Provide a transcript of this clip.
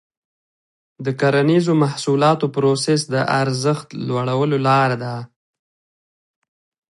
د کرنیزو محصولاتو پروسس د ارزښت لوړولو لاره ده.